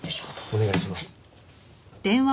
お願いします。